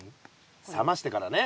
冷ましてからね。